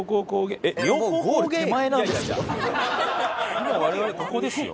今我々ここですよ。